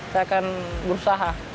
saya akan berusaha